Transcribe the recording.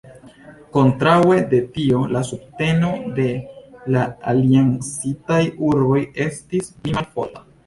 Kontraŭe de tio la subteno de la aliancitaj urboj estis pli malforta.